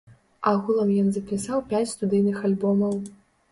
Агулам ён запісаў пяць студыйных альбомаў.